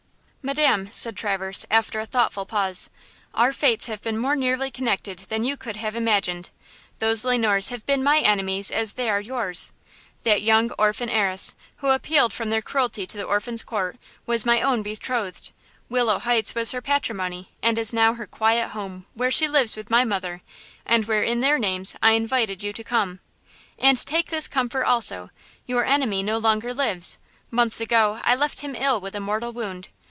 "Madam," said Traverse, after a thoughtful pause, "our fates have been more nearly connected than you could have imagined. Those Le Noirs have been my enemies as they are yours. That young orphan heiress, who appealed from their cruelty to the Orphans' Court, was my own betrothed. Willow Heights was her patrimony and is now her quiet home where she lives with my mother, and where in their names I invited you to come. And take this comfort also; your enemy no longer lives: months ago I left him ill with a mortal wound.